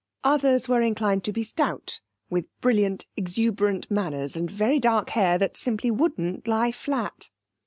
Others were inclined to be stout, with brilliant exuberant manners and very dark hair that simply wouldn't lie flat.